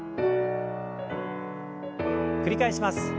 繰り返します。